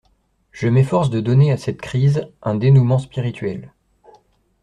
Je m'efforce de donner à cette crise un dénoûment spirituel.